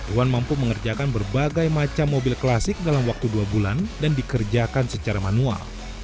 iwan mampu mengerjakan berbagai macam mobil klasik dalam waktu dua bulan dan dikerjakan secara manual